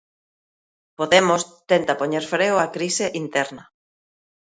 Podemos tenta poñer freo á crise interna.